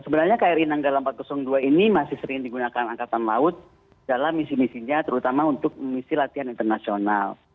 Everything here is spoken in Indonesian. sebenarnya kri nanggala empat ratus dua ini masih sering digunakan angkatan laut dalam misi misinya terutama untuk misi latihan internasional